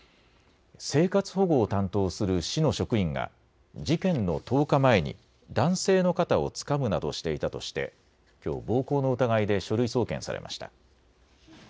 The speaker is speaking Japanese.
生活保護を担当する市の職員が事件の１０日前に男性の肩をつかむなどしていたとしてきょう暴行の疑いで書類送検されました。